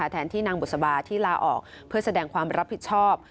แทนที่นางบุษบาที่ลาออกเพื่อแสดงความรับผิดชอบ